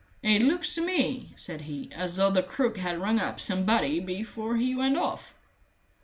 "It looks to me," said he, "as though the crook had rung up somebody before he went off."